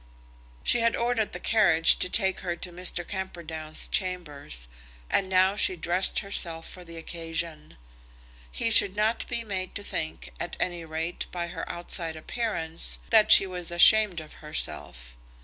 She had ordered the carriage to take her to Mr. Camperdown's chambers, and now she dressed herself for the occasion. He should not be made to think, at any rate by her outside appearance, that she was ashamed of herself.